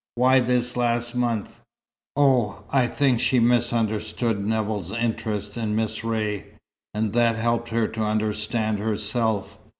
"Why this last month?" "Oh, I think she misunderstood Nevill's interest in Miss Ray, and that helped her to understand herself.